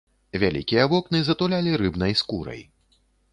Вялікія вокны затулялі рыбнай скурай.